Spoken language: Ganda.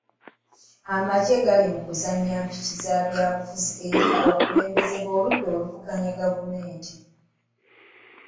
Amagye gali mu kuzannya mpiki za byabufuzi eri abakulembeze b'oludda oluvuganya gavumenti.